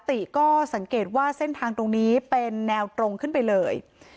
ติก็สังเกตว่าเส้นทางตรงนี้เป็นแนวตรงขึ้นไปเลย